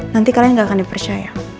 nanti kalian nggak akan dipercaya